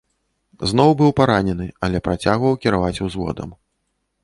Зноў быў паранены, але працягваў кіраваць узводам.